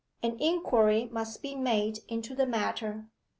An inquiry must be made into the matter.